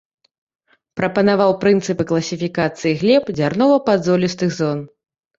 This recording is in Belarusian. Прапанаваў прынцыпы класіфікацыі глеб дзярнова-падзолістых зон.